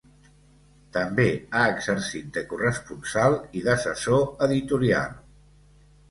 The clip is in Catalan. També ha exercit de corresponsal i d'assessor editorial.